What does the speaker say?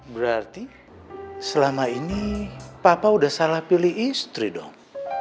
berarti selama ini papa udah salah pilih istri dong